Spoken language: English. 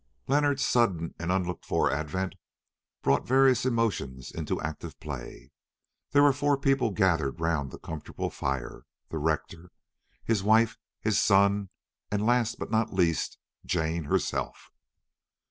Leonard's sudden and unlooked for advent brought various emotions into active play. There were four people gathered round that comfortable fire—the rector, his wife, his son, and last, but not least, Jane herself.